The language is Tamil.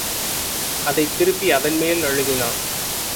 அதைத் திருப்பி அதன்மேல் எழுதினான்.